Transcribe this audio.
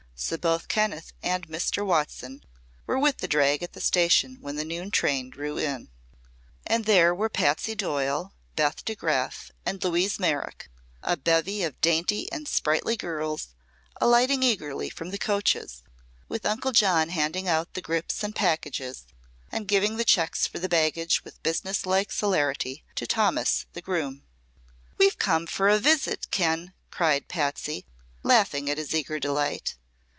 So both Kenneth and Mr. Watson were with the drag at the station when the noon train drew in. And there were Patsy Doyle, Beth DeGraf, and Louise Merrick, a bevy of dainty and sprightly girls, alighting eagerly from the coaches, with Uncle John handing out the grips and packages and giving the checks for the baggage, with business like celerity, to Thomas the groom. "We've come for a visit, Ken!" cried Palsy, laughing at his eager delight.